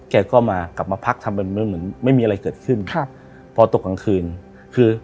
แกก็มากลับมาพักทำเป็นเหมือนไม่มีอะไรเกิดขึ้นครับพอตกกลางคืนคือ